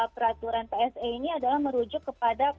peraturan pse ini adalah merujuk kepada